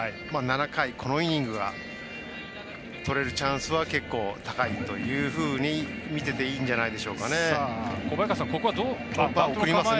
７回このイニングが取れるチャンスは結構、高いというふうに見てていいんじゃないでしょうか。